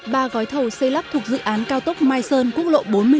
ba gói thầu xây lắp thuộc dự án cao tốc mai sơn quốc lộ bốn mươi